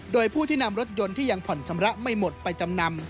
โดยผู้ที่นำรถยนต์ที่ยังผ่อนชำระไม่หมดไปจำนำ